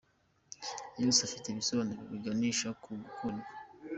yose afite ibisobanuro biganisha ku gukundwa.